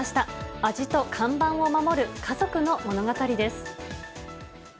味と看板を守る家族の物語です。